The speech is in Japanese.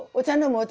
お茶。